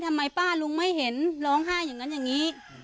ทำไมป้าลุงไม่เห็นร้องไห้อย่างนั้นอย่างนี้